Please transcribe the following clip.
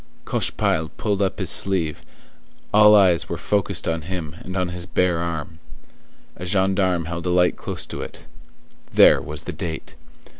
Cochepaille pushed up his sleeve; all eyes were focused on him and on his bare arm. A gendarme held a light close to it; there was the date.